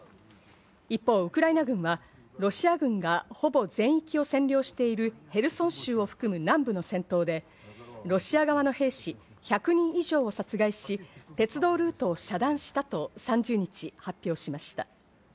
一方、ウクライナ軍はロシア軍がほぼ全域を占領しているヘルソン州を含む南部の戦闘で、ロシア側の兵士１００人以上を殺害し、鉄道ルートを遮断したと３０日発表しました。